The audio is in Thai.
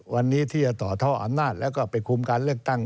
วันนี้ที่จะต่อท่ออำนาจแล้วก็ไปคุมการเลือกตั้ง